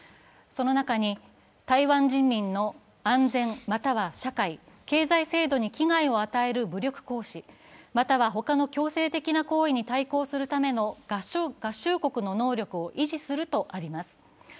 その中に台湾人民の安全または社会、経済制度に危害を与える武力行使、またはほかの強制的な行為に対抗するための合衆国の能力を維持するとあります。